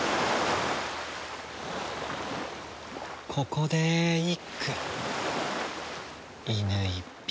ここで一句。